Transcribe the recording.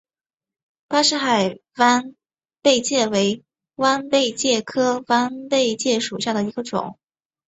巴士海弯贝介为弯贝介科弯贝介属下的一个种。